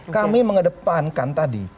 kami mengedepankan tadi